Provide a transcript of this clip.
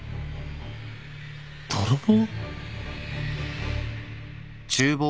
泥棒？